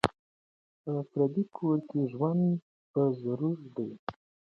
په پردي کور کي ژوند په ضرور دی